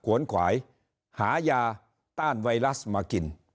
วนขวายหายาต้านไวรัสมากิน